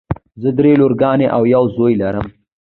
زه دری لورګانې او یو زوی لرم.